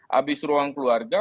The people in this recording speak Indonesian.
habis ruang keluarga